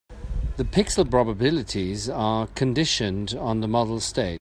The pixel probabilities are conditioned on the model state.